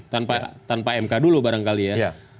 kalau kita tanpa m k dulu barangkali ya